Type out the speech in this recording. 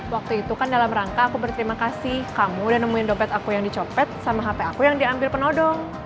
waktu itu kan dalam rangka aku berterima kasih kamu udah nemuin dompet aku yang dicopet sama hp aku yang diambil penodong